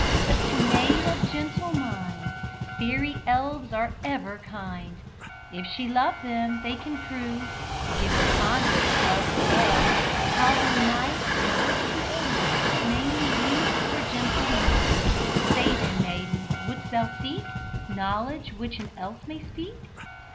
But to maid of gentle mind Fairy elves are ever kind; If she love them, they can prove (Giving fondly love for love) How their might can work to aid Manly youth or gentle maid. Say, then, maiden, would'st thou seek Knowledge which an elf may speak?